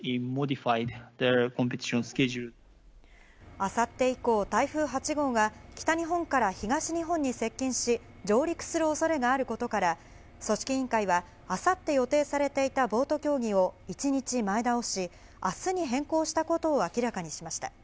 あさって以降、台風８号が北日本から東日本に接近し、上陸するおそれがあることから、組織委員会は、あさって予定されていたボート競技を１日前倒し、あすに変更したことを明らかにしました。